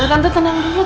tante tenang dulu